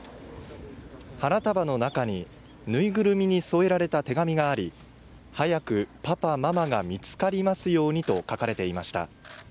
花束の中にぬいぐるみに添えられた手紙があり「早くパパ、ママが見つかりますように」と書かれていました。